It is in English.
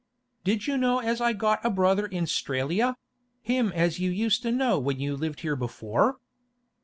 'Did you know as I'd got a brother in 'Stralia—him as you used to know when you lived here before?